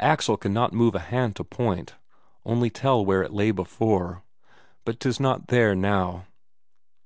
Axel cannot move a hand to point, only tell where it lay before, but 'tis not there now.